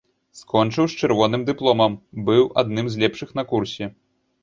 Скончыў з чырвоным дыпломам, быў адным з лепшых на курсе.